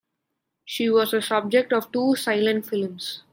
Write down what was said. She was the subject of two silent films.